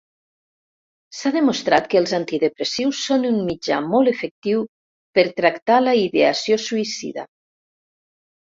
S'ha demostrat que els antidepressius són un mitjà molt efectiu per tractar la ideació suïcida.